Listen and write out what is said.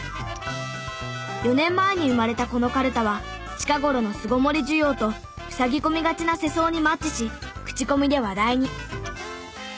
４年前に生まれたこのカルタは近頃の巣ごもり需要と塞ぎ込みがちな世相にマッチし口コミで話題に。